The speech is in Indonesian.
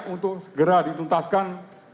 untuk segera dituntaskan